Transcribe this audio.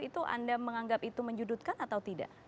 itu anda menganggap itu menjudutkan atau tidak